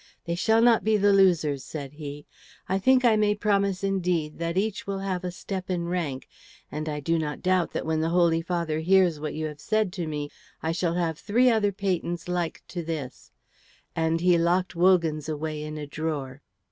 "They shall not be the losers," said he. "I think I may promise indeed that each will have a step in rank, and I do not doubt that when the Holy Father hears what you have said to me, I shall have three other patents like to this;" and he locked Wogan's away in a drawer.